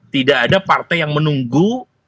tidak ada partai yang menunggu